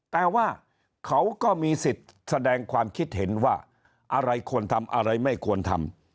แต่ว่าเขาก็มีสิทธิ์แสดงความคิดเห็นว่าอะไรควรทำอะไรไม่ควรทำ